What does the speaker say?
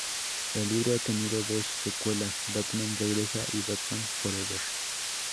El libro ha tenido dos secuelas, Batman Regresa y Batman Forever.